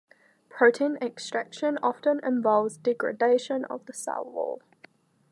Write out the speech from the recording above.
Protein extraction often involves degradation of the cell wall.